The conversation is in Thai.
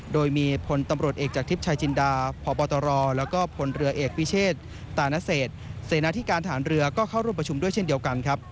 โดยมีพลตำรวจเอกจากทิพย์ชายจินดาพบตรแล้วก็พลเรือเอกพิเชษตานเศษเสนาธิการฐานเรือก็เข้าร่วมประชุมด้วยเช่นเดียวกันครับ